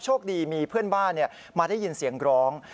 โชคดีมีเพื่อนบ้านมาได้ยินเสียงร้อง